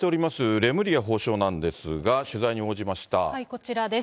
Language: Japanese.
レムリヤ法相なんですが、こちらです。